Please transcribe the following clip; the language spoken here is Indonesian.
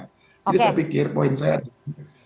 jadi saya pikir poin saya adalah